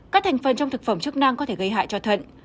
các thành phần trong thực phẩm chức năng có thể gây hại cho thận